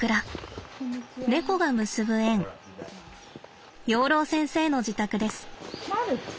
猫が結ぶ縁養老先生の自宅です。